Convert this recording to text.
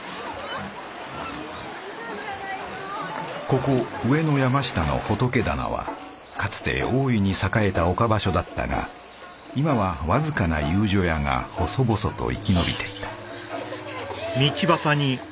ここ上野山下の仏店はかつて大いに栄えた岡場所だったが今は僅かな遊女屋が細々と生き延びていたキャ！